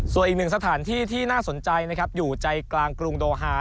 ส่วนอีกหนึ่งสถานที่ที่น่าสนใจนะครับอยู่ใจกลางกรุงโดฮา